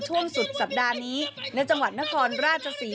ช่วงสุดสัปดาห์นี้ในจังหวัดนครราชศรี